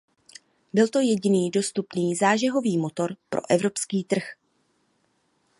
Byl to jediný dostupný zážehový motor pro evropský trh.